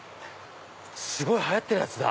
すごい流行ってるやつだ！